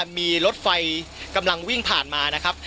มีรถไฟกำลังวิ่งผ่านมานะครับ